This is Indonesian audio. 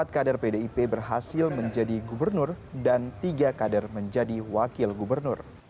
empat kader pdip berhasil menjadi gubernur dan tiga kader menjadi wakil gubernur